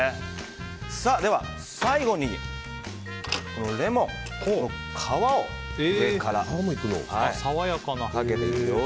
では最後にレモンの皮を上からかけていきます。